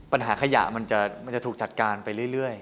ปัญหาขยะมันจะถูกจัดการไปเรื่อย